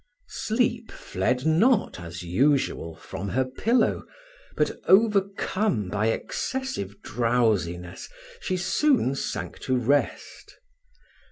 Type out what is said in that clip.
Sleep fled not, as usual, from her pillow; but, overcome by excessive drowsiness, she soon sank to rest.